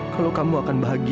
buat aku bisa temukan dirimu